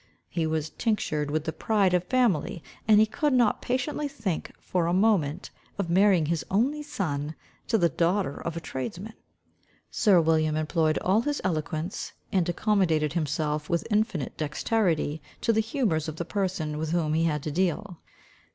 He was tinctured with the pride of family, and he could not patiently think for a moment, of marrying his only son to the daughter of a tradesman. Sir William employed all his eloquence, and accommodated himself with infinite dexterity to the humours of the person with whom he had to deal.